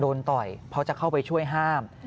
ต่อยเพราะจะเข้าไปช่วยห้าม